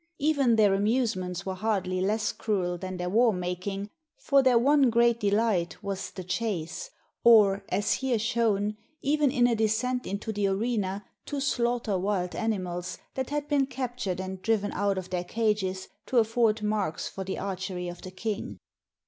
Even their amuse ments were hardly less cruel than their war making, for their one great delight was the chase; or, as here shown, even in a descent into the arena to slaughter wild animals that had been captured and driven out of their cages to af ford marks for the archery of the king.